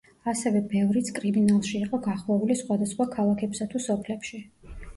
ასევე ბევრიც კრიმინალში იყო გახვეული სხვადასხვა ქალაქებსა თუ სოფლებში.